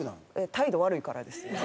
態度悪いからですね。